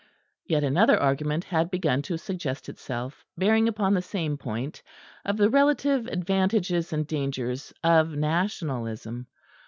Yet another argument had begun to suggest itself, bearing upon the same point, of the relative advantages and dangers of Nationalism.